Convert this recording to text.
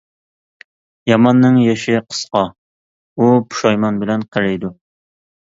-ياماننىڭ يېشى قىسقا ئۇ پۇشايمان بىلەن قېرىيدۇ.